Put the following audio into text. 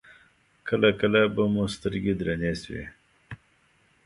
کله کله به مو سترګې درنې شوې.